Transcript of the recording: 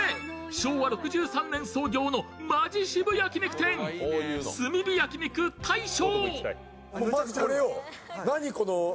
昭和６３年創業のマヂ渋焼肉店、炭火焼肉大将。